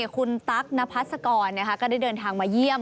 คุณตั๊กนพัศกรก็ได้เดินทางมาเยี่ยม